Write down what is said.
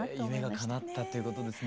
夢がかなったっていうことですね。